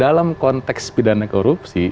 dalam konteks pidana korupsi